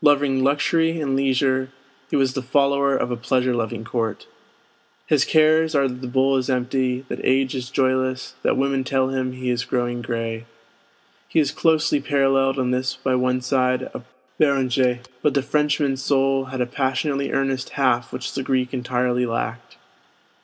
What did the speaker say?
Loving luxury and leisure, he was the follower of a pleasure loving court. His cares are that the bowl is empty, that age is joyless, that women tell him he is growing gray. He is closely paralleled in this by one side of Béranger; but the Frenchman's soul had a passionately earnest half which the Greek entirely lacked.